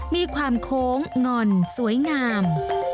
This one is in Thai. มีความโค้งงอนสวยงาม